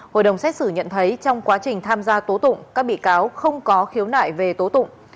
hội đồng xét xử nhận thấy trong quá trình tham gia tố tụng các bị cáo không có khiếu nại về tố tụng